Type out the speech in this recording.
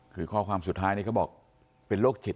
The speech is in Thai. คือข้อความสุดท้ายนี่เขาบอกเป็นโรคจิต